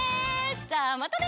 じゃあまたね！